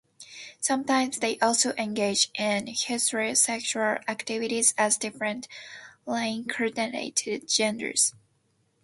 Sometimes they also engage in heterosexual activities as different reincarnated genders.